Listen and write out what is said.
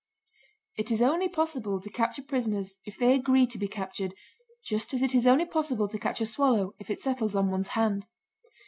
It is only possible to capture prisoners if they agree to be captured, just as it is only possible to catch a swallow if it settles on one's hand.